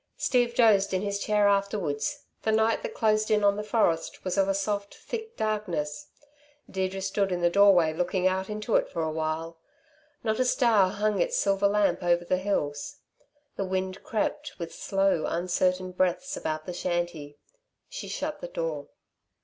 Steve dozed in his chair afterwards. The night that closed in on the forest was of a soft, thick darkness. Deirdre stood in the doorway looking out into it for while. Not a star hung its silver lamp over the hills. The wind crept with slow, uncertain breaths about the shanty. She shut the door.